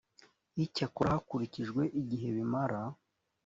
icyakora hakurikijwe igihe bimara